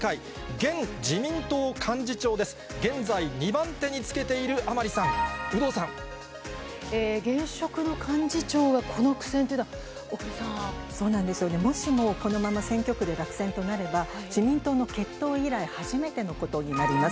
現在、２番手につけている甘利さ現職の幹事長がこの苦戦といそうなんですよね、もしもこのまま選挙区で落選となれば、自民党の結党以来、初めてのことになります。